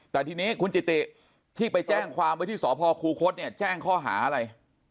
แต่ทีนี้คุณจิติที่ไปแจ้งความไว้ที่สพคูคศเนี่ยแจ้งข้อหาอะไร